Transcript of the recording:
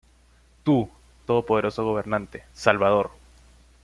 Tú, todopoderoso gobernante, Salvador!